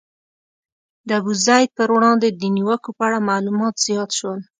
د ابوزید پر وړاندې د نیوکو په اړه معلومات زیات شول.